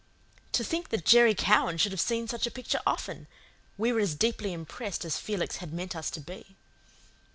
To think that Jerry Cowan should have seen such a picture often! We were as deeply impressed as Felix had meant us to be.